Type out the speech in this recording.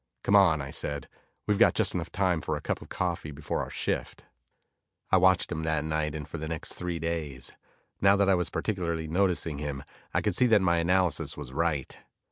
"Come on," I said, "We've got just enough time for a cup of coffee before our shift." I watched him that night and for the next three days. Now that I was particularly noticing him, I could see that my analysis was right.